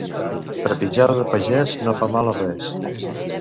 Trepitjada de pagès no fa mal a res.